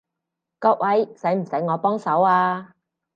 各位，使唔使我幫手啊？